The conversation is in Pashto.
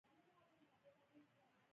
هر کلیک یو نوی ارزښت جوړوي.